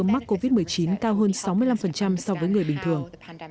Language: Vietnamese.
mắc covid một mươi chín cao hơn sáu mươi năm so với người bình thường